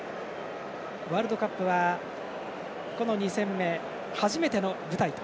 ワールドカップは、この２戦目初めての舞台